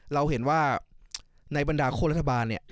เราเห็นว่าในบรรดาโครงลัตถบารนี้